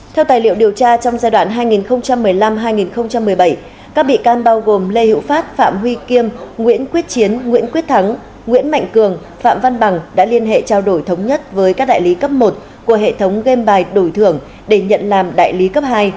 theo tài liệu điều tra trong giai đoạn hai nghìn một mươi năm hai nghìn một mươi bảy các bị can bao gồm lê hữu phát phạm huy kiêm nguyễn quyết chiến nguyễn quyết thắng nguyễn mạnh cường phạm văn bằng đã liên hệ trao đổi thống nhất với các đại lý cấp một của hệ thống game bài đổi thưởng để nhận làm đại lý cấp hai